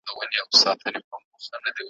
چي زه ماشوم وم له لا تر اوسه پوري ,